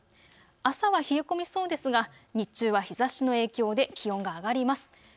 朝は冷え込みそうですが日中は日ざしの影響で気温が上がります。